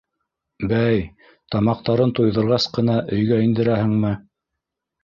Бәй, тамаҡтарын туйҙырғас ҡына өйгә индерәһеңме